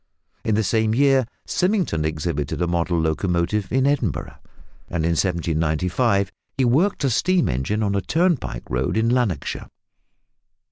In the same year Symington exhibited a model locomotive in Edinburgh, and in 1795 he worked a steam engine on a turnpike road in Lanarkshire.